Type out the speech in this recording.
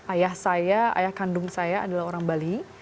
ayah saya ayah kandung saya adalah orang bali